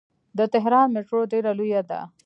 د تهران میټرو ډیره لویه ده.